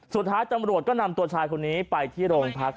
สุดท้ายตำรวจก็นำตัวชายคนนี้ไปที่โรงพัก